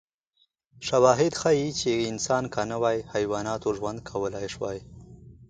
شواهد ښيي چې انسان که نه وای، حیواناتو ژوند کولای شوی.